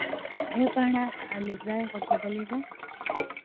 ایا پاڼه له ځایه غورځېدلې ده؟